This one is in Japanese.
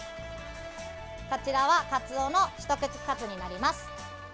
こちらはカツオの一口カツになります。